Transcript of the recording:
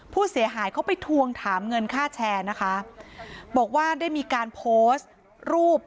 ผู้เสียหายเขาไปทวงถามเงินค่าแชร์นะคะบอกว่าได้มีการโพสต์รูป